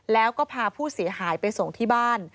แล้วก็พาผู้เสียหายไปส่งที่บ้าน